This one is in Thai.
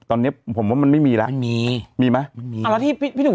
ตอนเนี้ยผมว่ามันไม่มีแล้วมันมีมีไหมมันมีเอาแล้วที่พี่พี่หนู